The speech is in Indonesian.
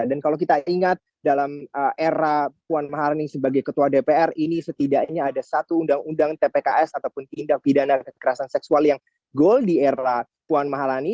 dan kalau kita ingat dalam era puan mahalani sebagai ketua dpr ini setidaknya ada satu undang undang tpks ataupun tindak pidana kekerasan seksual yang goal di era puan mahalani